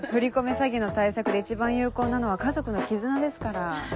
詐欺の対策で一番有効なのは家族の絆ですから。